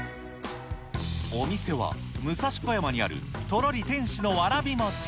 お店は武蔵小山にあるとろり天使のわらびもち。